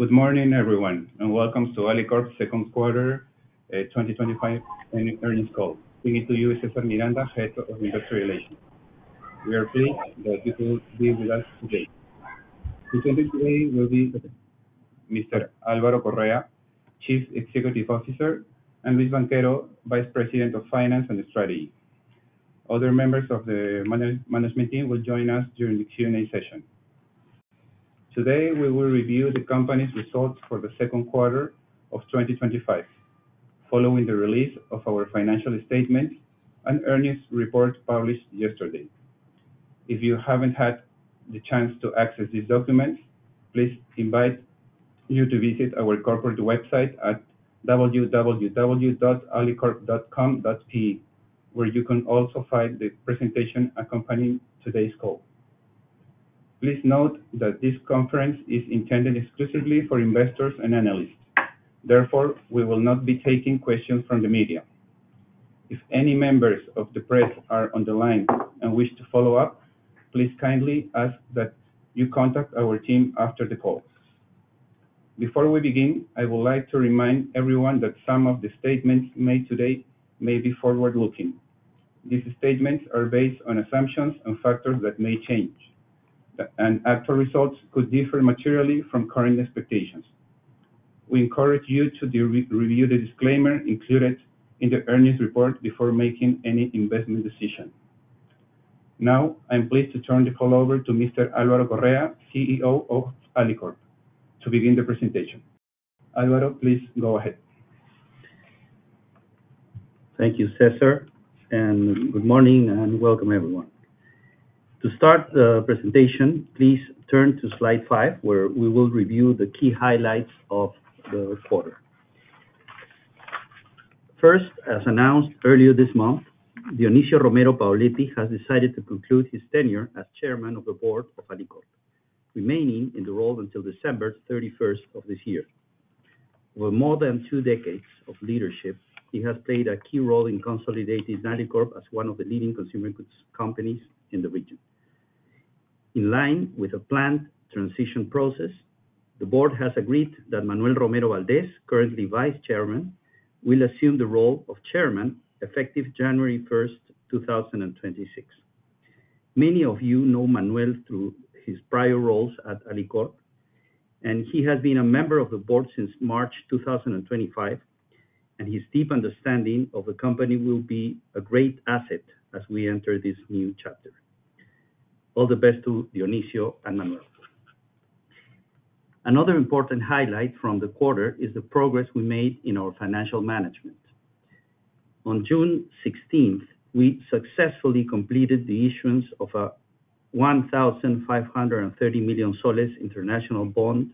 Good morning, everyone, and welcome to Alicorp S.A.A.'s Second Quarter 2025 Earnings Call. We meet with César Miranda Samamé, Head of Investor Relations. We are pleased that you will be with us today. The attendees today will be Mr. Álvaro Correa, Chief Executive Officer, and Luis Banchero, Vice President of Finance and Strategy. Other members of the management team will join us during the Q&A session. Today, we will review the company's results for the second quarter of 2025, following the release of our financial statement and earnings report published yesterday. If you haven't had the chance to access these documents, we invite you to visit our corporate website at www.alicorp.com.pe, where you can also find the presentation accompanying today's call. Please note that this conference is intended exclusively for investors and analysts. Therefore, we will not be taking questions from the media. If any members of the press are on the line and wish to follow up, please kindly ask that you contact our team after the call. Before we begin, I would like to remind everyone that some of the statements made today may be forward-looking. These statements are based on assumptions and factors that may change, and actual results could differ materially from current expectations. We encourage you to review the disclaimer included in the earnings report before making any investment decision. Now, I'm pleased to turn the call over to Mr. Álvaro Correa, CEO of Alicorp S.A.A., to begin the presentation. Álvaro, please go ahead. Thank you, César, and good morning and welcome, everyone. To start the presentation, please turn to slide five, where we will review the key highlights of the quarter. First, as announced earlier this month, Dionisio Romero Paoletti has decided to conclude his tenure as Chairman of the Board of Alicorp S.A.A., remaining in the role until December 31, 2025. Over more than two decades of leadership, he has played a key role in consolidating Alicorp S.A.A. as one of the leading consumer goods companies in the region. In line with a planned transition process, the Board has agreed that Manuel Romero Valdez, currently Vice Chairman, will assume the role of Chairman effective January 1, 2026. Many of you know Manuel through his prior roles at Alicorp S.A.A., and he has been a member of the Board since March 2025, and his deep understanding of the company will be a great asset as we enter this new chapter. All the best to Dionisio and Manuel. Another important highlight from the quarter is the progress we made in our financial management. On June 16, 2025, we successfully completed the issuance of a PEN 1,530 million international bond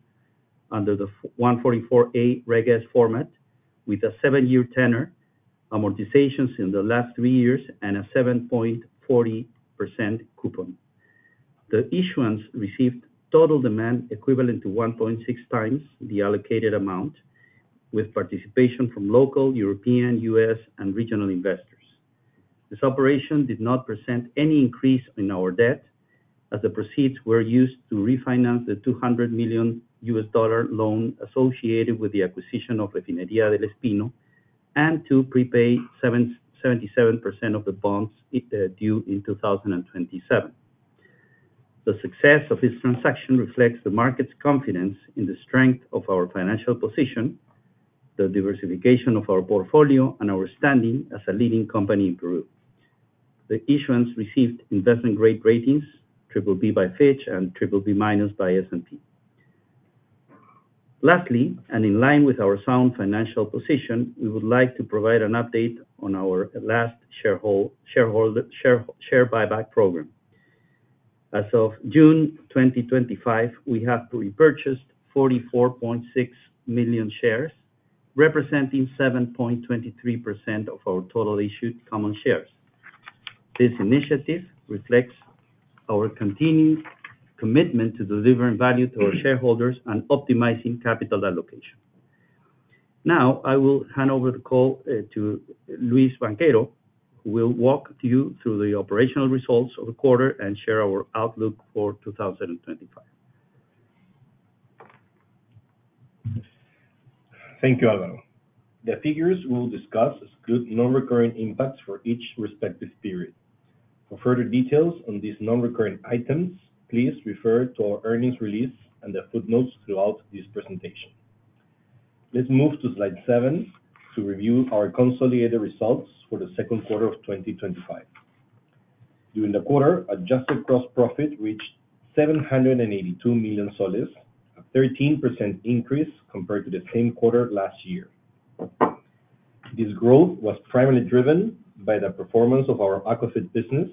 under the 144A Reg S format, with a 7-year tenor, amortizations in the last three years, and a 7.40% coupon. The issuance received total demand equivalent to 1.6x the allocated amount, with participation from local, European, U.S., and regional investors. This operation did not present any increase in our debt, as the proceeds were used to refinance the $200 million loan associated with the acquisition of Refinería del Espino S.A. and to prepay 77% of the bonds due in 2027. The success of this transaction reflects the market's confidence in the strength of our financial position, the diversification of our portfolio, and our standing as a leading company in Peru. The issuance received investment grade ratings, BBB by Fitch and BBB- by S&P. Lastly, and in line with our sound financial position, we would like to provide an update on our last share buyback program. As of June 2025, we have repurchased 44.6 million shares, representing 7.23% of our total issued common shares. This initiative reflects our continued commitment to delivering value to our shareholders and optimizing capital allocation. Now, I will hand over the call to Luis Banchero, who will walk you through the operational results of the quarter and share our outlook for 2025. Thank you, Álvaro. The figures we'll discuss include non-recurring impacts for each respective period. For further details on these non-recurring items, please refer to our earnings release and the footnotes throughout this presentation. Let's move to slide seven to review our consolidated results for the second quarter of 2025. During the quarter, adjusted gross profit reached PEN 782 million, a 13% increase compared to the same quarter last year. This growth was primarily driven by the performance of our Aquafeed business,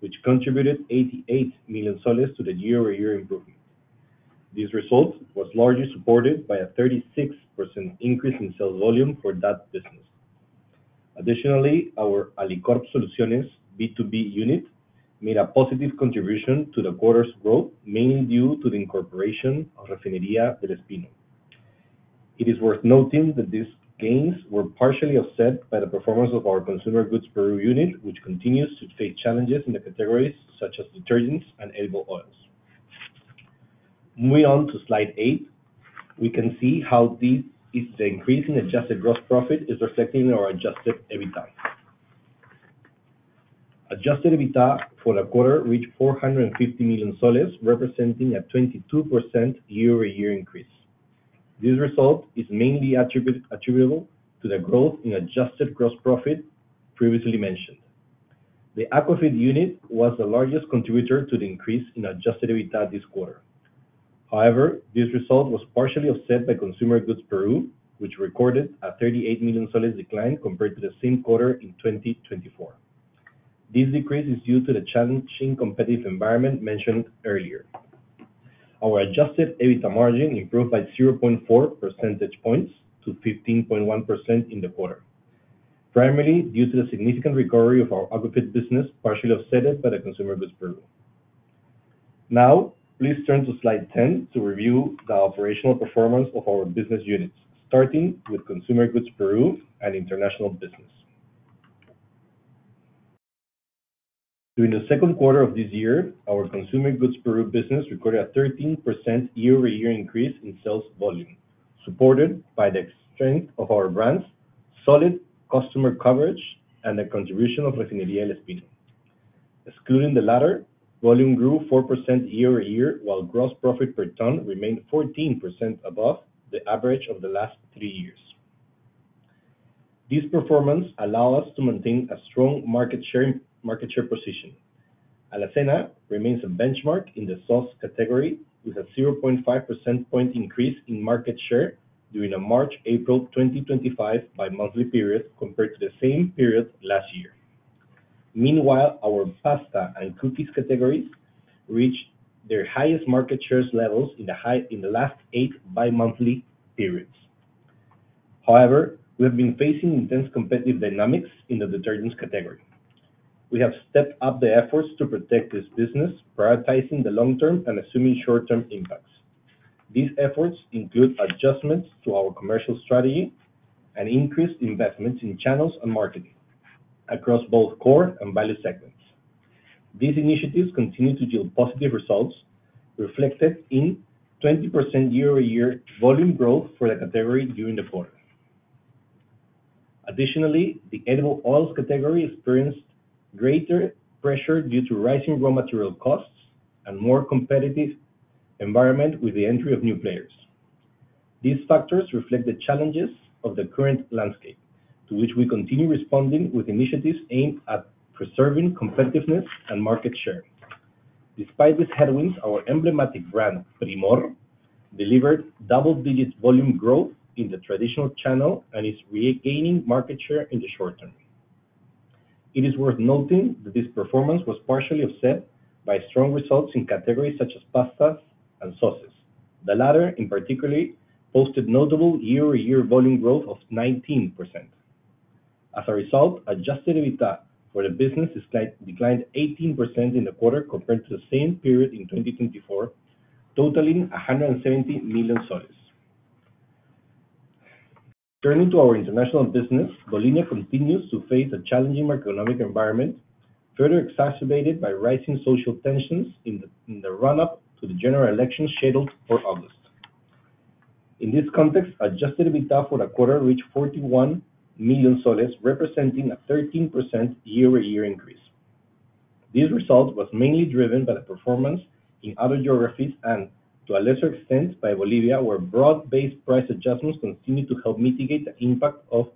which contributed PEN 88 million to the year-over-year improvement. This result was largely supported by a 36% increase in sales volume for that business. Additionally, our Alicorp Solutions B2B unit made a positive contribution to the quarter's growth, mainly due to the incorporation of Refinería del Espino S.A. It is worth noting that these gains were partially offset by the performance of our Consumer Goods Peru unit, which continues to face challenges in the categories such as detergents and edible oils. Moving on to slide eight, we can see how the increase in adjusted gross profit is reflected in our adjusted EBITDA. Adjusted EBITDA for the quarter reached PEN 450 million, representing a 22% year-over-year increase. This result is mainly attributable to the growth in adjusted gross profit previously mentioned. The Aquafeed unit was the largest contributor to the increase in adjusted EBITDA this quarter. However, this result was partially offset by Consumer Goods Peru, which recorded a PEN 38 million decline compared to the same quarter in 2024. This decrease is due to the challenging competitive environment mentioned earlier. Our adjusted EBITDA margin improved by 0.4 percentage points to 15.1% in the quarter, primarily due to the significant recovery of our Aquafeed business, partially offset by the Consumer Goods Peru. Now, please turn to slide 10 to review the operational performance of our business units, starting with Consumer Goods Peru and international business. During the second quarter of this year, our Consumer Goods Peru business recorded a 13% year-over-year increase in sales volume, supported by the strength of our brands, solid customer coverage, and the contribution of Refinería del Espino S.A. Excluding the latter, volume grew 4% year-over-year, while gross profit per ton remained 14% above the average of the last three years. This performance allowed us to maintain a strong market share position. AlaCena remains a benchmark in the sauce category, with a 0.5% point increase in market share during a March-April 2025 bi-monthly period compared to the same period last year. Meanwhile, our pasta and cookies categories reached their highest market share levels in the last eight bi-monthly periods. However, we have been facing intense competitive dynamics in the detergents category. We have stepped up the efforts to protect this business, prioritizing the long-term and assuming short-term impacts. These efforts include adjustments to our commercial strategy and increased investments in channels and marketing across both core and value segments. These initiatives continue to yield positive results, reflected in 20% year-over-year volume growth for the category during the quarter. Additionally, the edible oils category experienced greater pressure due to rising raw material costs and a more competitive environment with the entry of new players. These factors reflect the challenges of the current landscape, to which we continue responding with initiatives aimed at preserving competitiveness and market share. Despite these headwinds, our emblematic brand, Primor, delivered double-digit volume growth in the traditional channel and is regaining market share in the short term. It is worth noting that this performance was partially offset by strong results in categories such as pastas and sauces. The latter, in particular, posted notable year-over-year volume growth of 19%. As a result, adjusted EBITDA for the business declined 18% in the quarter compared to the same period in 2024, totaling PEN 170 million. Turning to our international business, Bolivia continues to face a challenging macroeconomic environment, further exacerbated by rising social tensions in the run-up to the general elections scheduled for August. In this context, adjusted EBITDA for the quarter reached PEN 41 million, representing a 13% year-over-year increase. This result was mainly driven by the performance in other geographies and, to a lesser extent, by Bolivia, where broad-based price adjustments continue to help mitigate the impact of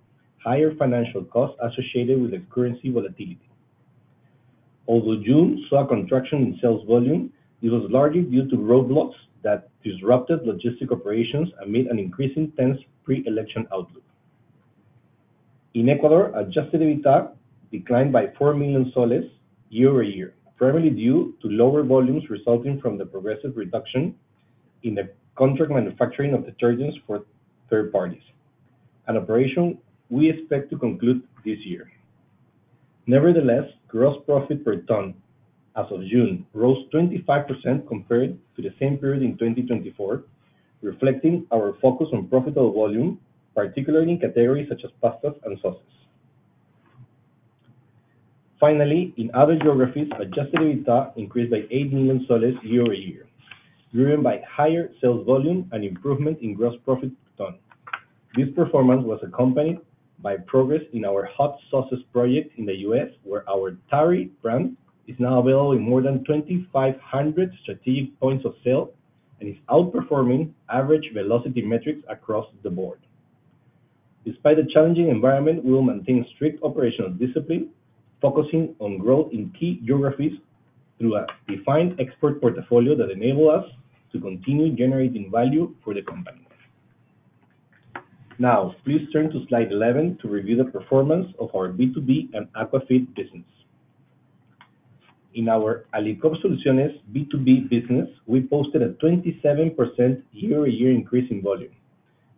higher financial costs associated with the currency volatility. Although June saw a contraction in sales volume, it was largely due to roadblocks that disrupted logistic operations amid an increasingly tense pre-election outlook. In Ecuador, adjusted EBITDA declined by PEN 4 million year-over-year, primarily due to lower volumes resulting from the progressive reduction in the contract manufacturing of detergents for third parties, an operation we expect to conclude this year. Nevertheless, gross profit per ton as of June rose 25% compared to the same period in 2024, reflecting our focus on profitable volume, particularly in categories such as pastas and sauces. Finally, in other geographies, adjusted EBITDA increased by PEN 8 million year-over-year, driven by higher sales volume and improvement in gross profit per ton. This performance was accompanied by progress in our hot sauces project in the U.S., where our Tari brand is now available in more than 2,500 strategic points of sale and is outperforming average velocity metrics across the board. Despite the challenging environment, we will maintain strict operational discipline, focusing on growth in key geographies through a defined export portfolio that enables us to continue generating value for the company. Now, please turn to slide 11 to review the performance of our B2B and Aquafeed business. In our Alicorp Solutions B2B business, we posted a 27% year-over-year increase in volume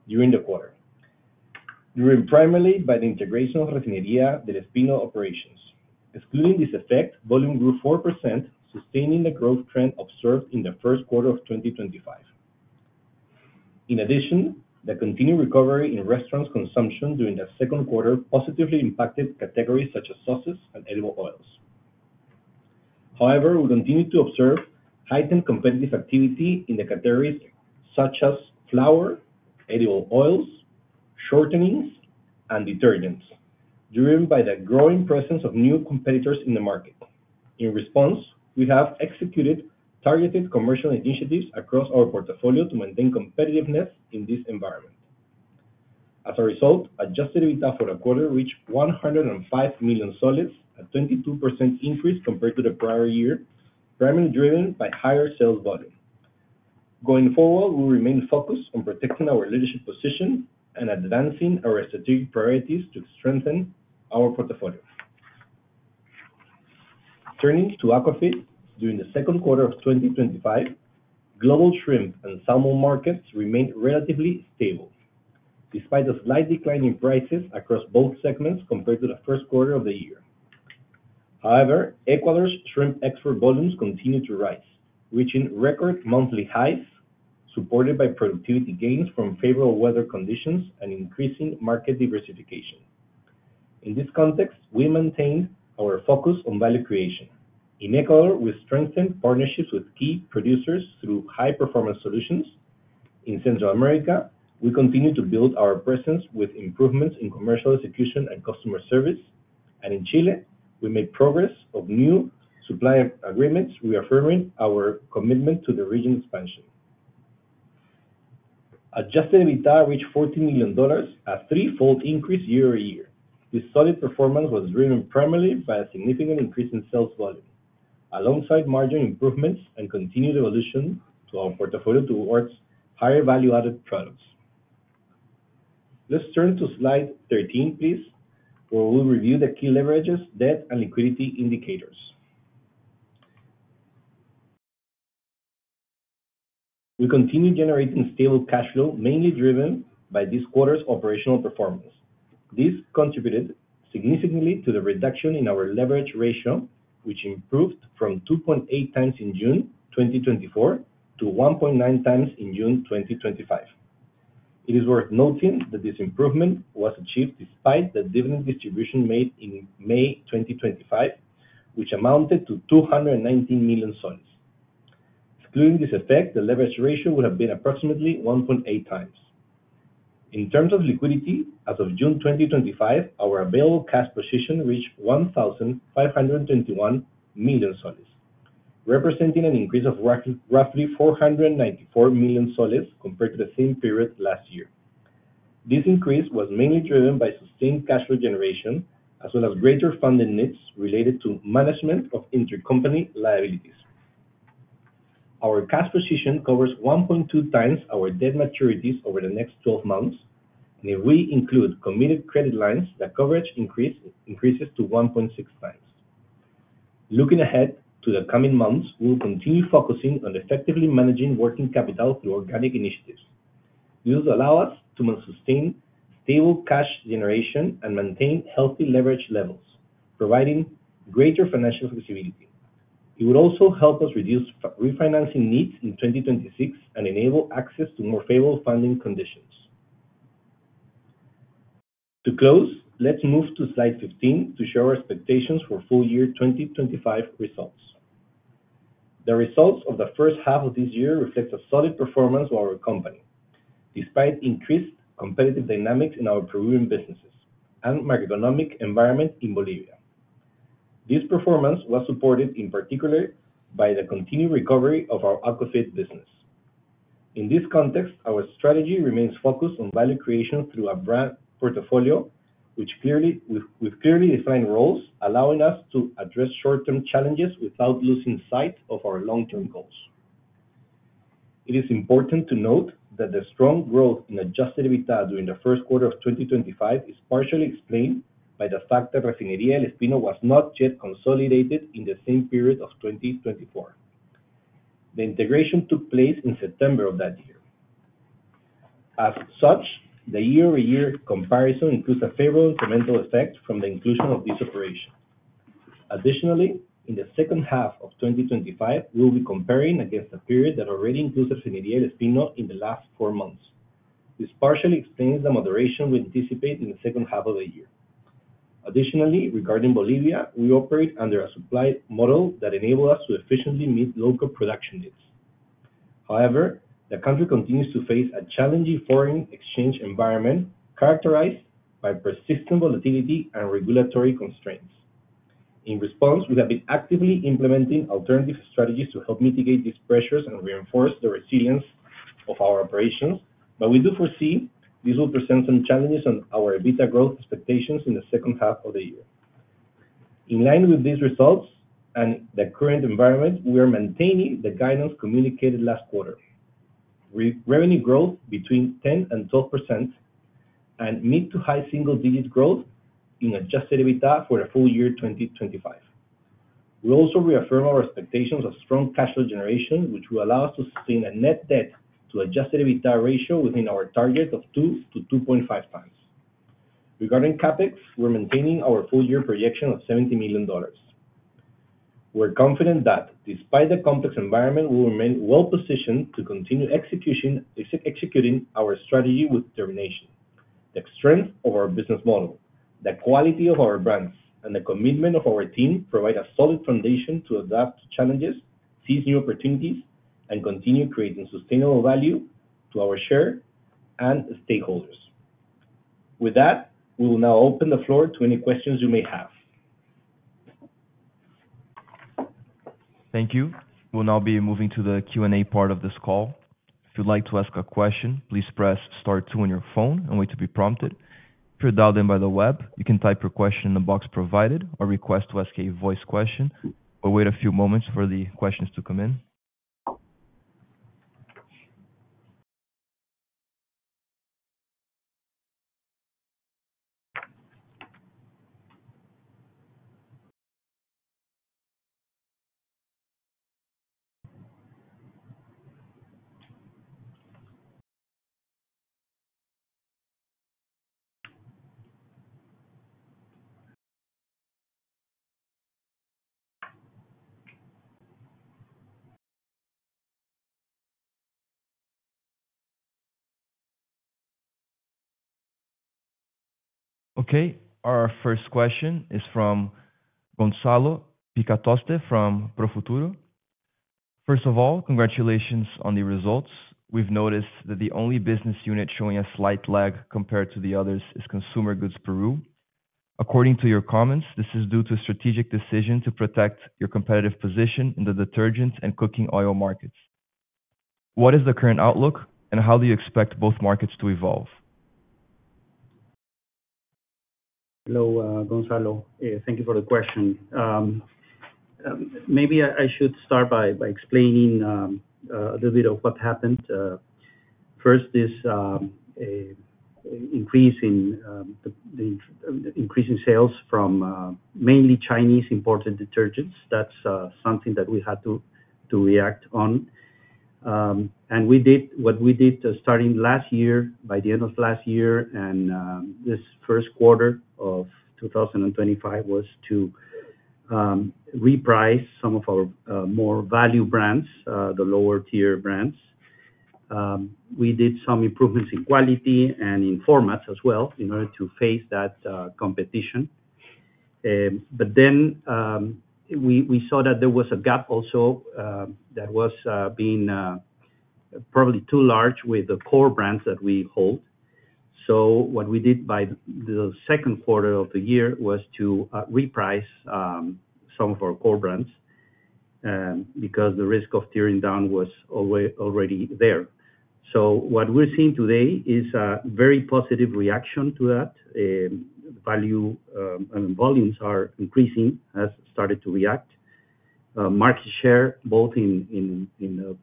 during the quarter, driven primarily by the integration of Refinería del Espino S.A. operations. Excluding this effect, volume grew 4%, sustaining the growth trend observed in the first quarter of 2025. In addition, the continued recovery in restaurants' consumption during the second quarter positively impacted categories such as sauces and edible oils. However, we continue to observe heightened competitive activity in the categories such as flour, edible oils, shortenings, and detergents, driven by the growing presence of new competitors in the market. In response, we have executed targeted commercial initiatives across our portfolio to maintain competitiveness in this environment. As a result, adjusted EBITDA for the quarter reached PEN 105 million, a 22% increase compared to the prior year, primarily driven by higher sales volume. Going forward, we will remain focused on protecting our leadership position and advancing our strategic priorities to strengthen our portfolio. Turning to Aquafeed, during the second quarter of 2025, global shrimp and salmon markets remained relatively stable despite a slight decline in prices across both segments compared to the first quarter of the year. However, Ecuador's shrimp export volumes continue to rise, reaching record monthly highs, supported by productivity gains from favorable weather conditions and increasing market diversification. In this context, we maintained our focus on value creation. In Ecuador, we strengthened partnerships with key producers through high-performance solutions. In Central America, we continue to build our presence with improvements in commercial execution and customer service. In Chile, we made progress on new supply agreements, reaffirming our commitment to the region's expansion. Adjusted EBITDA reached $14 million, a threefold increase year-over-year. This solid performance was driven primarily by a significant increase in sales volume, alongside margin improvements and continued evolution to our portfolio towards higher value-added products. Let's turn to slide 13, please, where we'll review the key leverages, debt, and liquidity indicators. We continue generating stable cash flow, mainly driven by this quarter's operational performance. This contributed significantly to the reduction in our leverage ratio, which improved from 2.8x in June 2024 to 1.9x in June 2025. It is worth noting that this improvement was achieved despite the dividend distribution made in May 2025, which amounted to PEN 219 million. Excluding this effect, the leverage ratio would have been approximately 1.8x. In terms of liquidity, as of June 2025, our available cash position reached PEN 1,521 million, representing an increase of roughly PEN 494 million compared to the same period last year. This increase was mainly driven by sustained cash flow generation, as well as greater funding needs related to management of intercompany liabilities. Our cash position covers 1.2x our debt maturities over the next 12 months, and if we include committed credit lines, the coverage increases to 1.6x. Looking ahead to the coming months, we will continue focusing on effectively managing working capital through organic initiatives. This will allow us to sustain stable cash generation and maintain healthy leverage levels, providing greater financial flexibility. It would also help us reduce refinancing needs in 2026 and enable access to more favorable funding conditions. To close, let's move to slide 15 to share our expectations for full-year 2025 results. The results of the first half of this year reflect a solid performance of our company, despite increased competitive dynamics in our Peruvian businesses and the macroeconomic environment in Bolivia. This performance was supported in particular by the continued recovery of our Aquafeed business. In this context, our strategy remains focused on value creation through a brand portfolio with clearly defined roles, allowing us to address short-term challenges without losing sight of our long-term goals. It is important to note that the strong growth in adjusted EBITDA during the first quarter of 2025 is partially explained by the fact that Refinería del Espino S.A. was not yet consolidated in the same period of 2024. The integration took place in September of that year. As such, the year-over-year comparison includes a favorable incremental effect from the inclusion of this operation. Additionally, in the second half of 2025, we will be comparing against the period that already includes Refinería del Espino S.A. in the last four months. This partially explains the moderation we anticipate in the second half of the year. Additionally, regarding Bolivia, we operate under a supply model that enables us to efficiently meet local production needs. However, the country continues to face a challenging foreign exchange environment characterized by persistent volatility and regulatory constraints. In response, we have been actively implementing alternative strategies to help mitigate these pressures and reinforce the resilience of our operations, but we do foresee this will present some challenges on our EBITDA growth expectations in the second half of the year. In line with these results and the current environment, we are maintaining the guidance communicated last quarter: revenue growth between 10%-12% and mid to high single-digit growth in adjusted EBITDA for the full year 2025. We also reaffirm our expectations of strong cash flow generation, which will allow us to sustain a net debt to adjusted EBITDA ratio within our target of 2-2.5x. Regarding Capex, we're maintaining our full-year projection of $70 million. We're confident that, despite the complex environment, we will remain well-positioned to continue executing our strategy with determination. The strength of our business model, the quality of our brands, and the commitment of our team provide a solid foundation to adapt to challenges, seize new opportunities, and continue creating sustainable value to our share and stakeholders. With that, we will now open the floor to any questions you may have. Thank you. We'll now be moving to the Q&A part of this call. If you'd like to ask a question, please press star two on your phone and wait to be prompted. If you're dialed in by the web, you can type your question in the box provided or request to ask a voice question or wait a few moments for the questions to come in. Okay. Our first question is from Gonzalo Picatoste from Profuturo. First of all, congratulations on the results. We've noticed that the only business unit showing a slight lag compared to the others is Consumer Goods Peru. According to your comments, this is due to a strategic decision to protect your competitive position in the detergent and cooking oil markets. What is the current outlook and how do you expect both markets to evolve? Hello, Gonzalo. Thank you for the question. Maybe I should start by explaining a little bit of what happened. First, this increase in sales from mainly Chinese imported detergents, that's something that we had to react on. We did what we did starting last year, by the end of last year, and this first quarter of 2025 was to reprice some of our more value brands, the lower-tier brands. We did some improvements in quality and in formats as well in order to face that competition. We saw that there was a gap also that was being probably too large with the core brands that we hold. What we did by the second quarter of the year was to reprice some of our core brands because the risk of tearing down was already there. What we're seeing today is a very positive reaction to that. Value and volumes are increasing as started to react. Market share both in the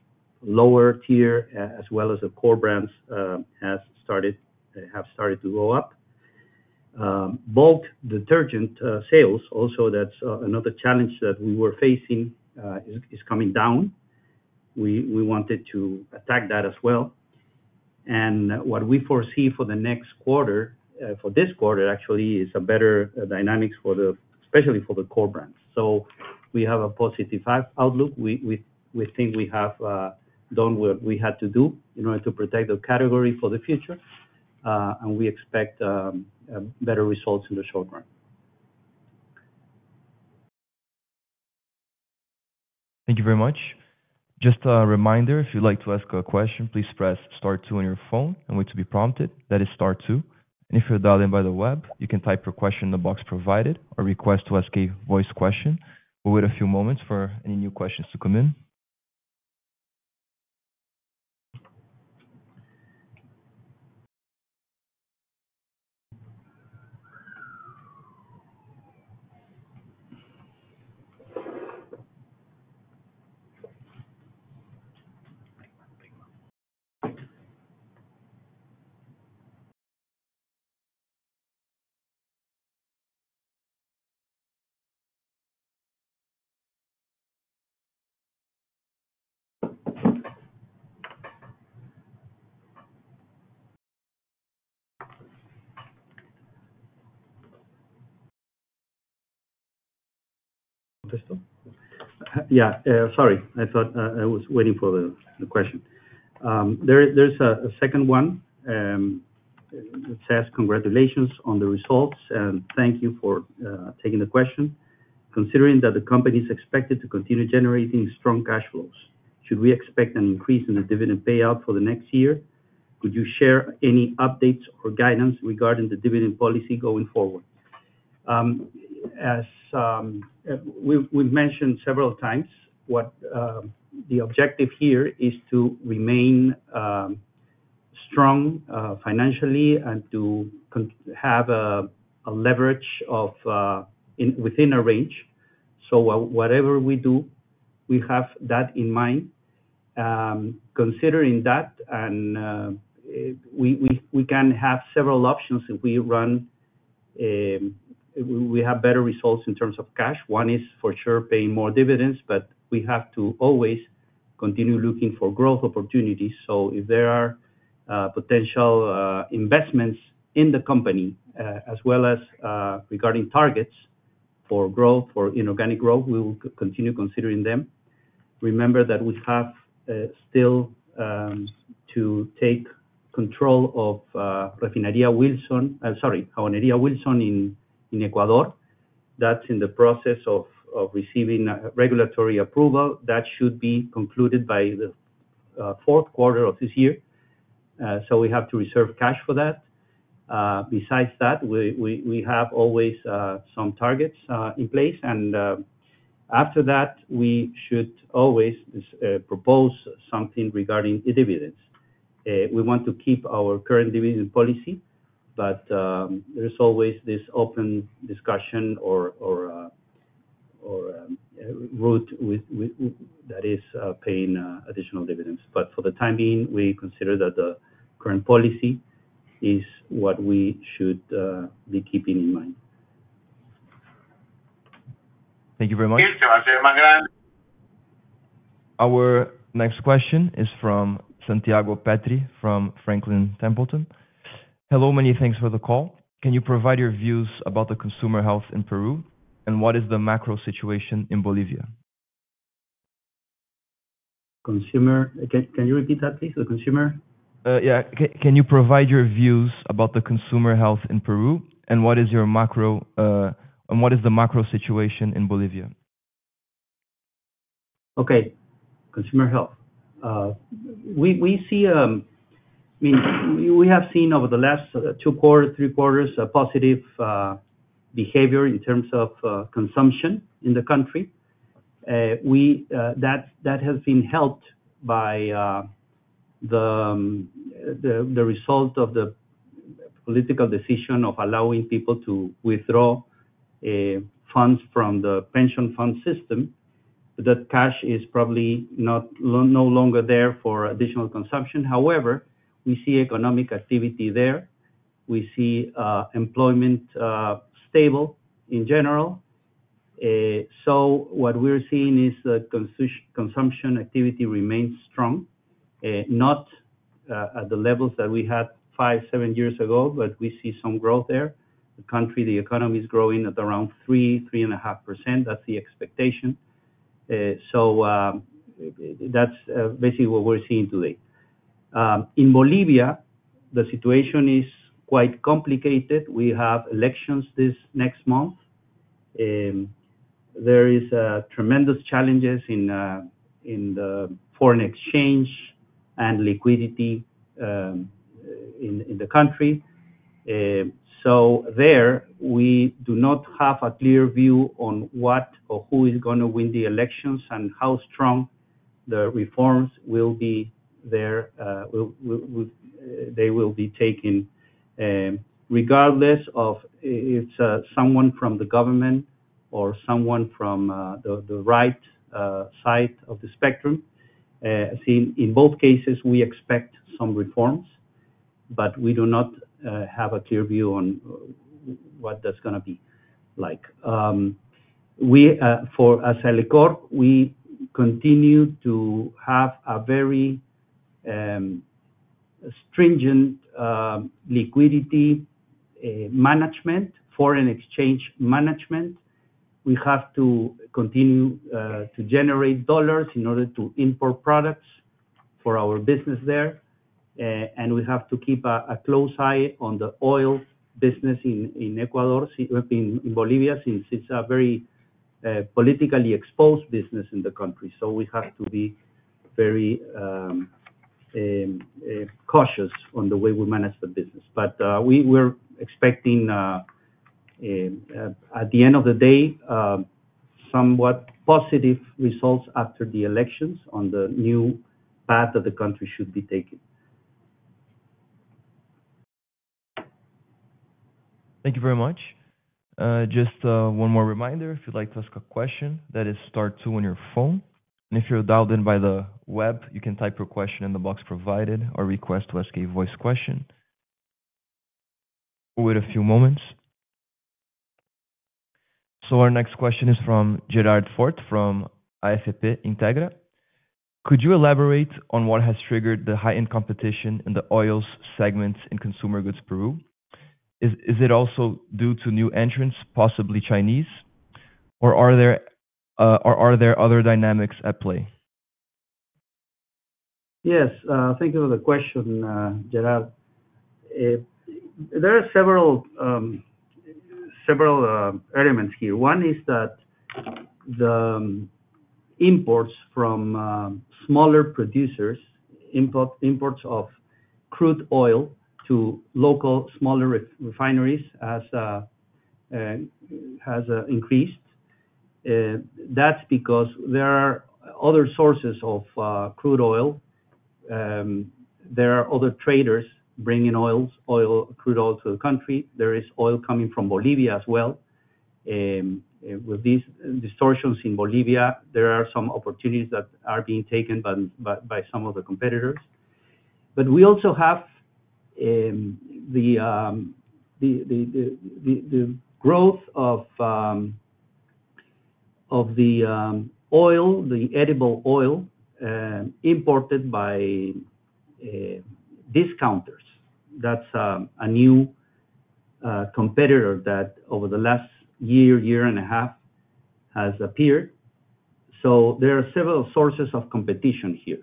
lower tier as well as the core brands have started to go up. Both detergent sales also, that's another challenge that we were facing, is coming down. We wanted to attack that as well. What we foresee for the next quarter, for this quarter actually, is a better dynamic for the, especially for the core brands. We have a positive outlook. We think we have done what we had to do in order to protect the category for the future, and we expect better results in the short run. Thank you very much. Just a reminder, if you'd like to ask a question, please press star two on your phone and wait to be prompted. That is star two. If you're dialed in by the web, you can type your question in the box provided or request to ask a voice question. We'll wait a few moments for any new questions to come in. Yeah. Sorry. I thought I was waiting for the question. There's a second one. It says, "Congratulations on the results, and thank you for taking the question. Considering that the company is expected to continue generating strong cash flows, should we expect an increase in the dividend payout for the next year? Could you share any updates or guidance regarding the dividend policy going forward?" As we've mentioned several times, the objective here is to remain strong financially and to have a leverage within a range. Whatever we do, we have that in mind. Considering that, we can have several options if we have better results in terms of cash. One is for sure paying more dividends, but we have to always continue looking for growth opportunities. If there are potential investments in the company, as well as regarding targets for growth, for inorganic growth, we will continue considering them. Remember that we have still to take control of Jabonería Wilson in Ecuador. That's in the process of receiving regulatory approval. That should be concluded by the fourth quarter of this year. We have to reserve cash for that. Besides that, we have always some targets in place. After that, we should always propose something regarding dividends. We want to keep our current dividend policy, but there's always this open discussion or route that is paying additional dividends. For the time being, we consider that the current policy is what we should be keeping in mind. Thank you very much. Our next question is from Santiago Petri from Franklin Templeton. Hello, many thanks for the call. Can you provide your views about the consumer health in Peru? What is the macro situation in Bolivia? Consumer, can you repeat that, please? The consumer? Yeah. Can you provide your views about the consumer health in Peru? What is your macro and what is the macro situation in Bolivia? Okay. Consumer health. We see, I mean, we have seen over the last two quarters, three quarters, a positive behavior in terms of consumption in the country. That has been helped by the result of the political decision of allowing people to withdraw funds from the pension fund system. That cash is probably no longer there for additional consumption. However, we see economic activity there. We see employment stable in general. What we're seeing is that consumption activity remains strong, not at the levels that we had five, seven years ago, but we see some growth there. The country, the economy is growing at around 3%, 3.5%. That's the expectation. That's basically what we're seeing today. In Bolivia, the situation is quite complicated. We have elections this next month. There are tremendous challenges in the foreign exchange and liquidity in the country. We do not have a clear view on what or who is going to win the elections and how strong the reforms will be there. They will be taken regardless of if it's someone from the government or someone from the right side of the spectrum. In both cases, we expect some reforms, but we do not have a clear view on what that's going to be like. For Alicorp, we continue to have a very stringent liquidity management, foreign exchange management. We have to continue to generate dollars in order to import products for our business there. We have to keep a close eye on the oil business in Ecuador, in Bolivia, since it's a very politically exposed business in the country. We have to be very cautious on the way we manage the business. We were expecting, at the end of the day, somewhat positive results after the elections on the new path that the country should be taking. Thank you very much. Just one more reminder, if you'd like to ask a question, that is star two on your phone. If you're dialed in by the web, you can type your question in the box provided or request to ask a voice question. We'll wait a few moments. Our next question is from Gerard Fort from AFP Integra. Could you elaborate on what has triggered the heightened competition in the oils segments in Consumer Goods Peru? Is it also due to new entrants, possibly Chinese, or are there other dynamics at play? Yes. Thank you for the question, Gerard. There are several elements here. One is that the imports from smaller producers, imports of crude oil to local smaller refineries have increased. That's because there are other sources of crude oil. There are other traders bringing crude oil to the country. There is oil coming from Bolivia as well. With these distortions in Bolivia, there are some opportunities that are being taken by some of the competitors. We also have the growth of the edible oil imported by discounters. That's a new competitor that over the last year, year and a half has appeared. There are several sources of competition here.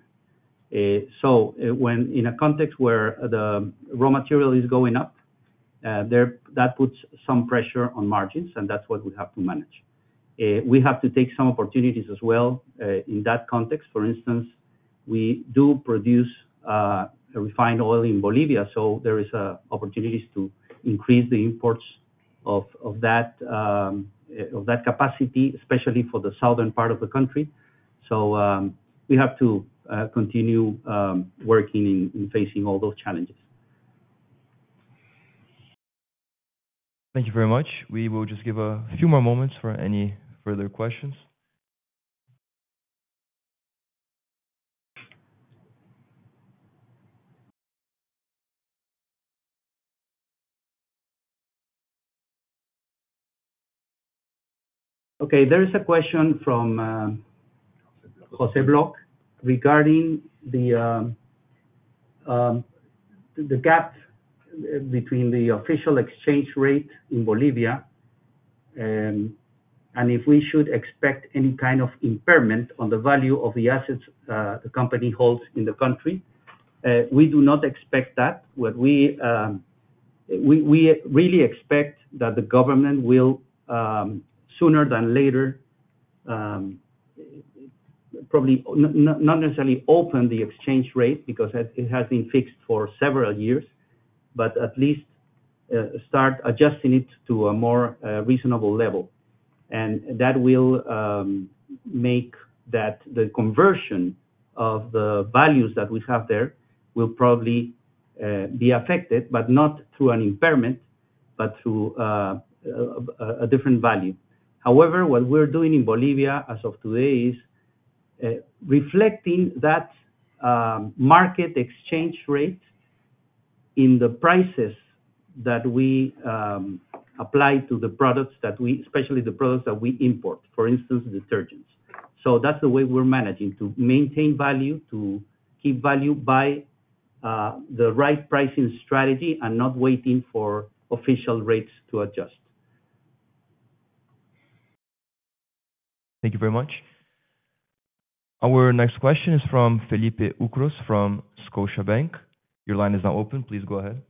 In a context where the raw material is going up, that puts some pressure on margins, and that's what we have to manage. We have to take some opportunities as well in that context. For instance, we do produce refined oil in Bolivia, so there are opportunities to increase the imports of that capacity, especially for the southern part of the country. We have to continue working in facing all those challenges. Thank you very much. We will just give a few more moments for any further questions. Okay. There is a question from Jose Block regarding the gap between the official exchange rate in Bolivia and if we should expect any kind of impairment on the value of the assets the company holds in the country. We do not expect that. What we really expect is that the government will, sooner than later, probably not necessarily open the exchange rate because it has been fixed for several years, at least start adjusting it to a more reasonable level. That will make the conversion of the values that we have there probably be affected, not through an impairment, but through a different value. However, what we're doing in Bolivia as of today is reflecting that market exchange rate in the prices that we apply to the products that we, especially the products that we import, for instance, detergents. That's the way we're managing to maintain value, to keep value by the right pricing strategy and not waiting for official rates to adjust. Thank you very much. Our next question is from Felipe Ucros from Scotiabank. Your line is now open. Please go ahead.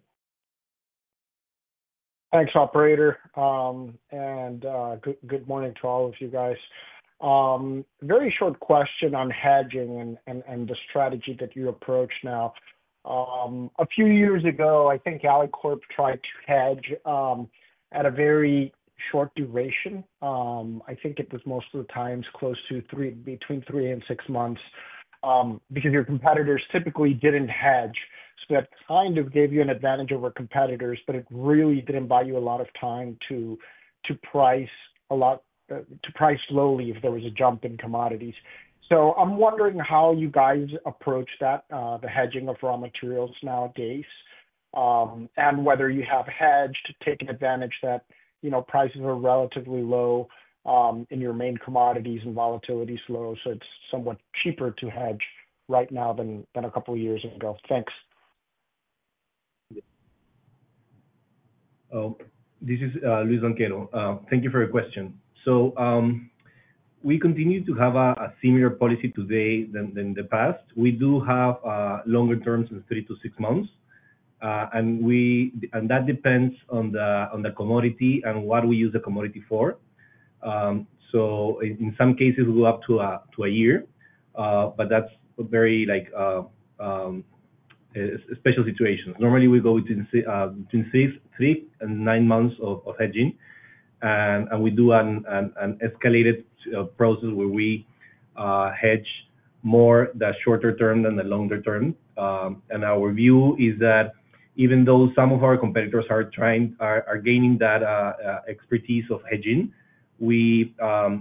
Thanks, operator. Good morning to all of you guys. Very short question on hedging and the strategy that you approach now. A few years ago, I think Alicorp S.A.A. tried to hedge at a very short duration. I think it was most of the times close to between three and six months because your competitors typically didn't hedge. That kind of gave you an advantage over competitors, but it really didn't buy you a lot of time to price slowly if there was a jump in commodities. I'm wondering how you guys approach that, the hedging of raw materials nowadays, and whether you have hedged to take an advantage that you know prices are relatively low in your main commodities and volatility is low, so it's somewhat cheaper to hedge right now than a couple of years ago. Thanks. Thank you for your question. We continue to have a similar policy today as in the past. We do have longer terms than three to six months, and that depends on the commodity and what we use the commodity for. In some cases, we go up to a year, but that's a very special situation. Normally, we go between three and nine months of hedging. We do an escalated process where we hedge more in the shorter term than the longer term. Our view is that even though some of our competitors are gaining that expertise of hedging, our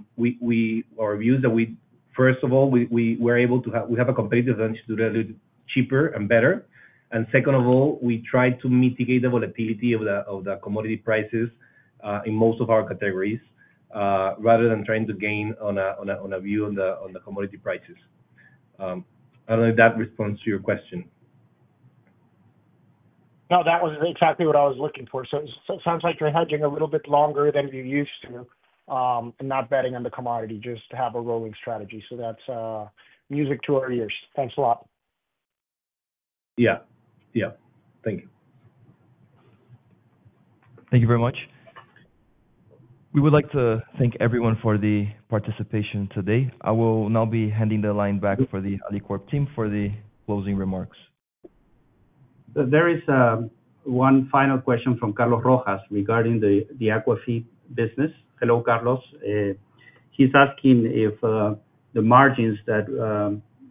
view is that, first of all, we are able to have a competitive advantage to do that a little cheaper and better. Second of all, we try to mitigate the volatility of the commodity prices in most of our categories rather than trying to gain on a view on the commodity prices. I don't know if that responds to your question. No, that was exactly what I was looking for. It sounds like you're hedging a little bit longer than you used to and not betting on the commodity, just to have a rolling strategy. That's music to our ears. Thanks a lot. Yeah, yeah. Thank you. Thank you very much. We would like to thank everyone for the participation today. I will now be handing the line back for the Alicorp team for the closing remarks. There is one final question from Carlos Rojas regarding the Aquafeed business. Hello, Carlos. He's asking if the margins that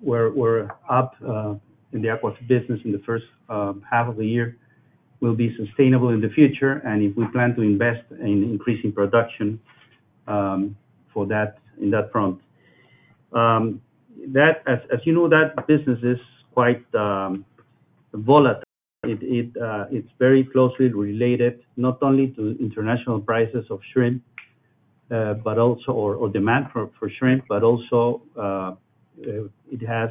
were up in the Aquafeed business in the first half of the year will be sustainable in the future and if we plan to invest in increasing production in that front. As you know, that business is quite volatile. It's very closely related not only to international prices of shrimp but also demand for shrimp, but also it has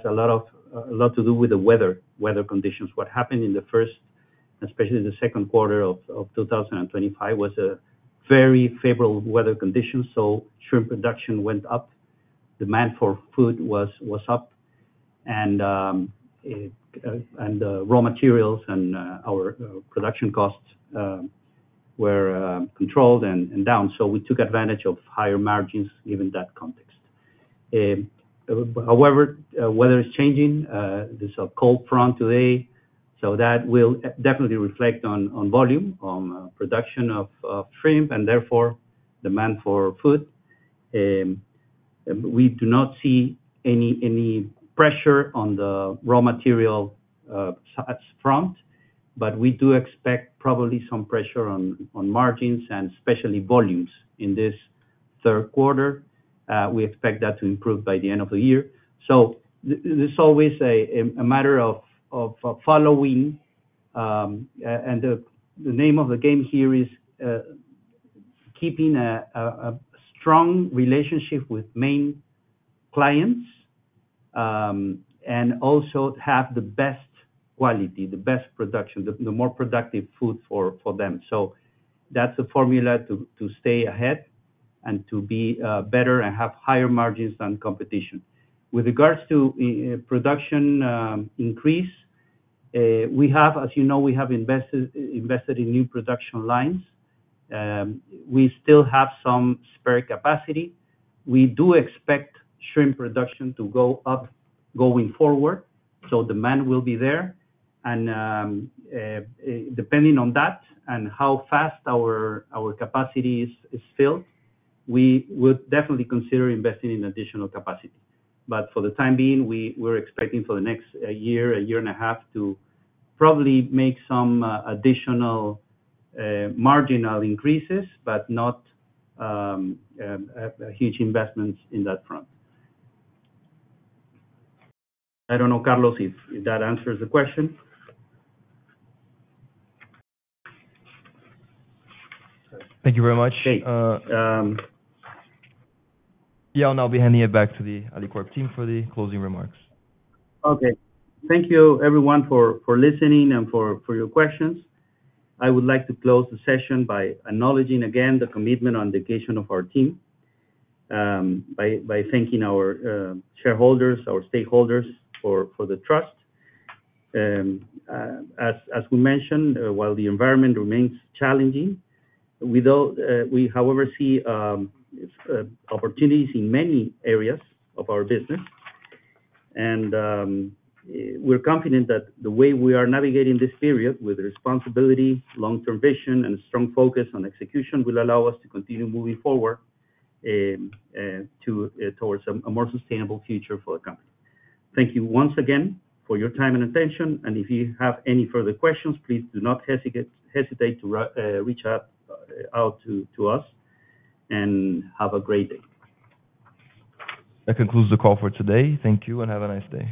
a lot to do with the weather, weather conditions. What happened in the first and especially the second quarter of 2025 was a very favorable weather condition. Shrimp production went up, demand for food was up, and the raw materials and our production costs were controlled and down. We took advantage of higher margins given that context. However, weather is changing. There's a cold front today. That will definitely reflect on volume on production of shrimp and therefore demand for food. We do not see any pressure on the raw material front, but we do expect probably some pressure on margins and especially volumes in this third quarter. We expect that to improve by the end of the year. It's always a matter of following. The name of the game here is keeping a strong relationship with main clients and also have the best quality, the best production, the more productive food for them. That's the formula to stay ahead and to be better and have higher margins than competition. With regards to production increase, we have, as you know, we have invested in new production lines. We still have some spare capacity. We do expect shrimp production to go up going forward. Demand will be there. Depending on that and how fast our capacity is filled, we would definitely consider investing in additional capacity. For the time being, we're expecting for the next year, a year and a half to probably make some additional marginal increases, but not huge investments in that front. I don't know, Carlos, if that answers the question. Thank you very much. I'll now be handing it back to the Alicorp team for the closing remarks. Okay. Thank you, everyone, for listening and for your questions. I would like to close the session by acknowledging again the commitment and dedication of our team, by thanking our shareholders and our stakeholders for the trust. As we mentioned, while the environment remains challenging, we, however, see opportunities in many areas of our business. We're confident that the way we are navigating this period with responsibility, long-term vision, and a strong focus on execution will allow us to continue moving forward towards a more sustainable future for the company. Thank you once again for your time and attention. If you have any further questions, please do not hesitate to reach out to us. Have a great day. That concludes the call for today. Thank you and have a nice day.